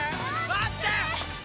待ってー！